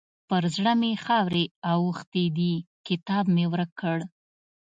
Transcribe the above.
پر زړه مې خاورې اوښتې دي؛ کتاب مې ورک کړ.